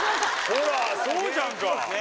ほらそうじゃんか！